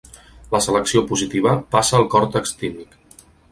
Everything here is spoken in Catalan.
La selecció positiva passa al còrtex tímic.